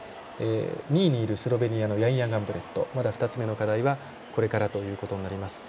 ２位にいるスロベニアのヤンヤ・ガンブレットまだ２つ目の課題はこれからということになります。